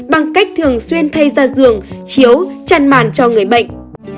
bằng cách thường xuyên thay ra giường chiếu chăn màn cho người bệnh